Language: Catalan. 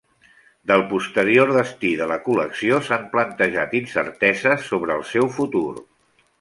Del posterior destí de la col·lecció s'han plantejat incerteses sobre el seu futur.